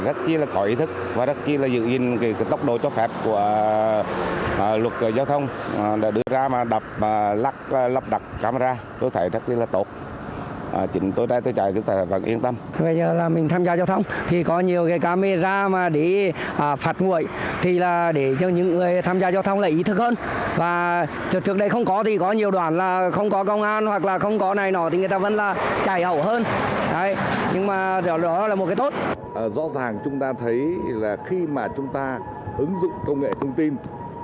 rõ ràng chúng ta thấy là khi mà chúng ta ứng dụng công nghệ thông tin